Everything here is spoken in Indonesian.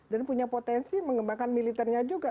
dan punya potensi mengembangkan militernya juga